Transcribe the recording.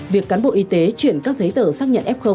việc cán bộ y tế chuyển các giấy tờ xác nhận f